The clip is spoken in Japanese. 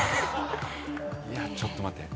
いやちょっと待て。